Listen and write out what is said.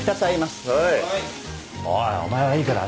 はい。